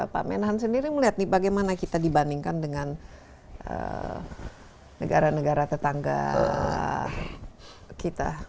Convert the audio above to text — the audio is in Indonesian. pak menahan sendiri melihat nih bagaimana kita dibandingkan dengan negara negara tetangga kita